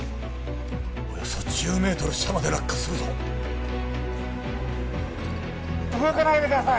およそ１０ｍ下まで落下するぞ動かないでください！